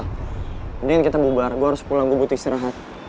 kemudian kita bubar gue harus pulang gue butuh istirahat